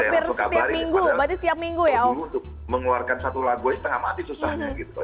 tadi hampir setiap minggu untuk mengeluarkan satu lagu aja setengah mati susahnya gitu